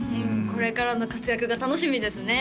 これからの活躍が楽しみですね